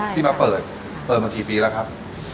ใช่ครับมันเปิดมากี่ปีแล้วครับ